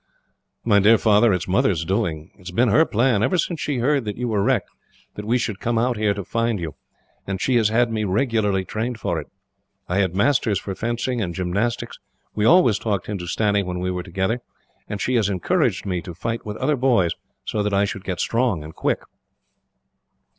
"My dear Father, it is Mother's doing. It has been her plan, ever since she heard that you were wrecked, that we should come out here to find you, and she has had me regularly trained for it. I had masters for fencing and gymnastics, we always talked Hindustani when we were together, and she has encouraged me to fight with other boys, so that I should get strong and quick."